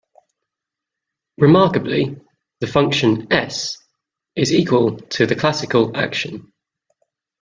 Remarkably, the function "S" is equal to the classical action.